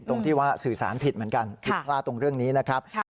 ตรงที่ว่าสื่อสารผิดเหมือนกันผิดพลาดตรงเรื่องนี้นะครับ